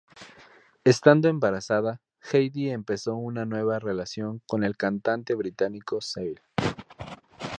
Estando embarazada, Heidi empezó una nueva relación con el cantante británico Seal.